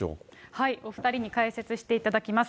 はい、お２人に解説していただきます。